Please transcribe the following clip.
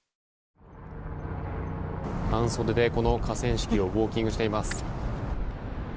半袖で河川敷をウォーキングしています。